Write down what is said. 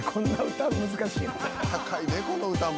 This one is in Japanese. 高いでこの歌も。